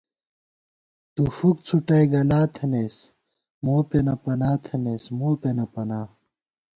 تُو فُک څھُٹَئ گلا تھنَئیس ، موپېنہ پنا تھنَئیس تُو مو پېنہ پنا